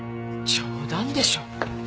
冗談でしょ！